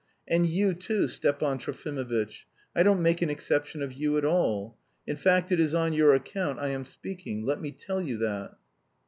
And you too, Stepan Trofimovitch, I don't make an exception of you at all! In fact, it is on your account I am speaking, let me tell you that!"